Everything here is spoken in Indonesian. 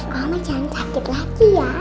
mama jangan sakit lagi ya